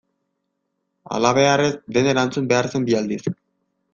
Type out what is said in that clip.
Halabeharrez dena erantzun behar zen bi aldiz.